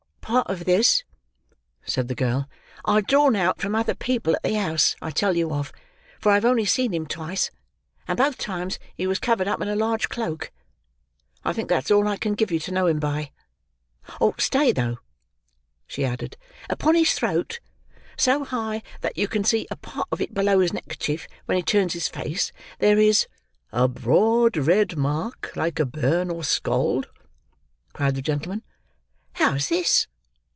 "Part of this," said the girl, "I have drawn out from other people at the house I tell you of, for I have only seen him twice, and both times he was covered up in a large cloak. I think that's all I can give you to know him by. Stay though," she added. "Upon his throat: so high that you can see a part of it below his neckerchief when he turns his face: there is—" "A broad red mark, like a burn or scald?" cried the gentleman. "How's this?"